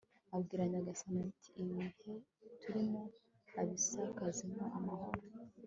abwira nyagasani ati ibihe turimo ubisakazemo amahoro